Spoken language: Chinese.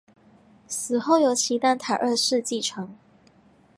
死后由齐丹塔二世继承。